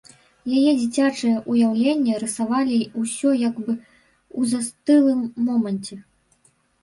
Яе дзіцячыя ўяўленні рысавалі ўсё як бы ў застылым моманце.